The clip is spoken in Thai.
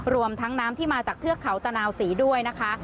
รวมทั้งน้ำที่มาจากเทือกเขาตะนาวศรีด้วยนะคะ